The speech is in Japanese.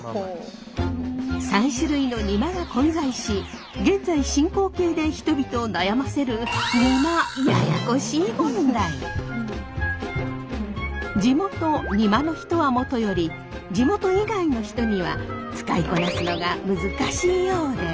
３種類のにまが混在し現在進行形で人々を悩ませる地元にまの人はもとより地元以外の人には使いこなすのが難しいようで。